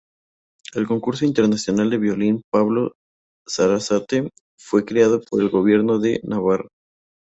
El Concurso Internacional de Violín Pablo Sarasate fue creado por el Gobierno de Navarra.